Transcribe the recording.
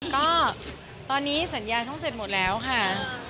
ก็ตอนนี้สัญญาช่อง๗หมดแล้วค่ะ